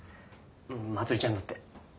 まつりちゃんだって。